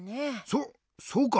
そそうか？